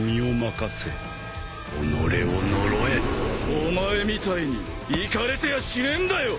お前みたいにいかれてやしねえんだよ！